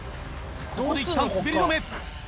ここでいったん滑り止め。